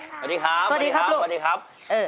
สวัสดีครับสวัสดีครับสวัสดีครับ